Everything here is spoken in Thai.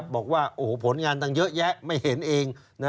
บอกว่าโอ้โหผลงานตั้งเยอะแยะไม่เห็นเอง